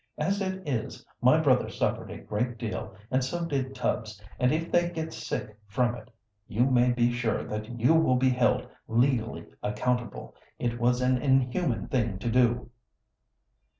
As it is, my brother suffered a great deal, and so did Tubbs, and if they get sick from it you may be sure that you will be held legally accountable. It was an inhuman thing to do."